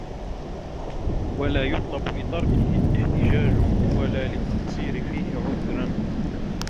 وَلَا يَطْلُبُ لِتَرْكِهِ احْتِجَاجًا وَلَا لِلتَّقْصِيرِ فِيهِ عُذْرًا